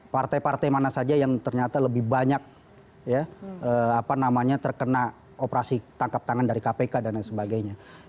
partai partai mana saja yang ternyata lebih banyak ya apa namanya terkena operasi tangkap tangan dari kpk dan sebagainya